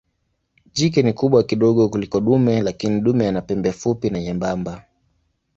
Jike ni mkubwa kidogo kuliko dume lakini dume ana pembe fupi na nyembamba.